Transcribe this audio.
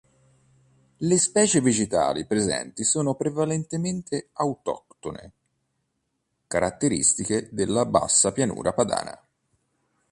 Le specie vegetali presenti sono prevalentemente autoctone, caratteristiche della bassa pianura padana.